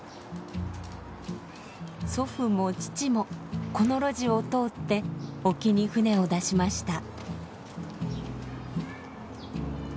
祖父も父もこの路地を通って沖に船を出しました。